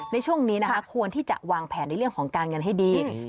ในช่วงนี้นะคะควรที่จะวางแผนในเรื่องของการเงินให้ดี